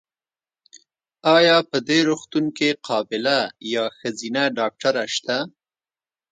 ایا په دي روغتون کې قابیله یا ښځېنه ډاکټره سته؟